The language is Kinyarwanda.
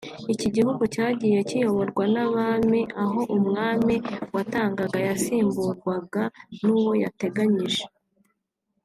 iki gihugu cyagiye kiyoborwa n’abami aho umwami watangaga yasimburwaga n’uwo yateganyije